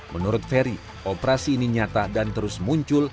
menurut ferry operasi ini nyata dan terus muncul